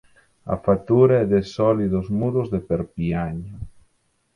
A factura é de sólidos muros de perpiaño.